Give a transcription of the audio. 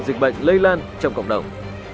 dịch bệnh lây lan trong cộng đồng